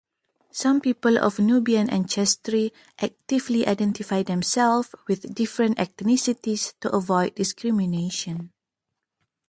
Some people of Nubian ancestry actively identify themselves with different ethnicities to avoid discrimination.